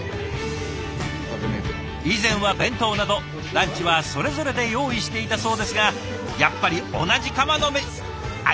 以前は弁当などランチはそれぞれで用意していたそうですがやっぱり同じ釜のメシあっ